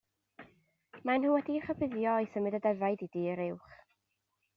Maen nhw wedi'n rhybuddio i symud y defaid i dir uwch.